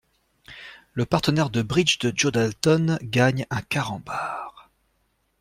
Le partenaire de bridge de Joe Dalton gagne un carambar.